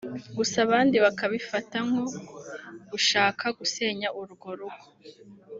gusa abandi bakabifata nko gushaka gusenya urwo rugo